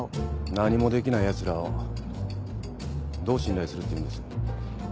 何もできないやつらをどう信頼するっていうんです？